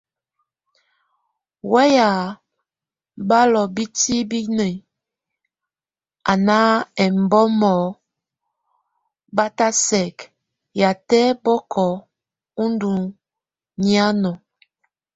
Weya balʼ ó bitíbini, a nʼ émbɔmɔ batʼ á sɛk yatɛ́ bɔkɔ ó ndo miaŋo.